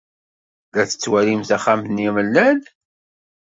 La tettwalimt axxam-nni amellal?